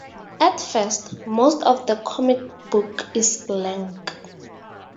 At first, most of the comic book is blank.